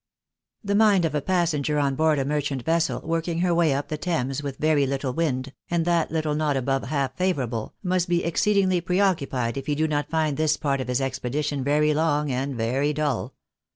The mind of a passenger on board a merchant vessel working her way up the Thames, with very little wind, and that little not above half favourable, must be exceedingly preoccupied if he do not find this part of his expedition very long and very dull.